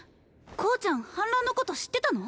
⁉向ちゃん反乱のこと知ってたの？